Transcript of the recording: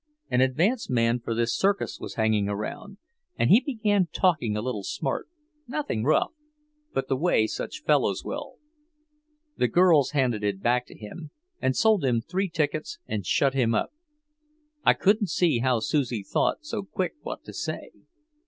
An advance man for this circus was hanging around, and he began talking a little smart, nothing rough, but the way such fellows will. The girls handed it back to him, and sold him three tickets and shut him up. I couldn't see how Susie thought so quick what to say.